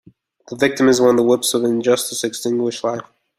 The victim is when the whips of injustice extinguish life.